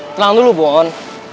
tenang dulu bon